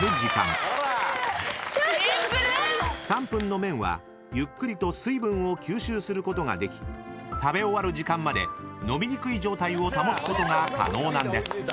［３分の麺はゆっくりと水分を吸収することができ食べ終わる時間まで伸びにくい状態を保つことが可能なんです］